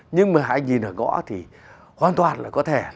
nhưng mà anh nhìn ở ngõ thì hoàn toàn là có thể